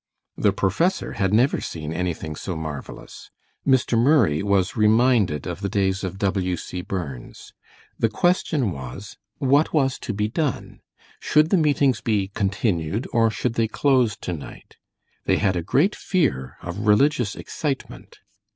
The professor had never seen anything so marvelous; Mr. Murray was reminded of the days of W. C. Burns. The question was, What was to be done? Should the meetings be continued, or should they close tonight? They had a great fear of religious excitement.